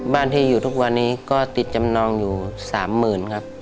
บ้านที่อยู่ทุกวันนี้ก็ติดจำนองอยู่๓๐๐๐ครับ